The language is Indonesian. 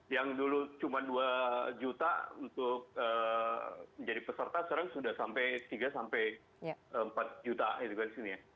yang dulu cuma dua juta untuk menjadi peserta sekarang sudah sampai tiga sampai empat juta gitu kan di sini ya